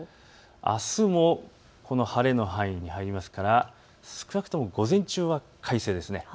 あすもこの晴れの範囲に入りますから少なくとも午前中は快晴です。